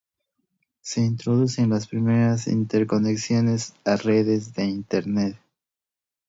Se introducen las primeras interconexiones a redes de Internet.